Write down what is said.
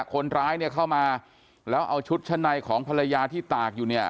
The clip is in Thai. คนร้ายเข้ามาแล้วเอาชุดชะในของภรรยาที่ตากอยู่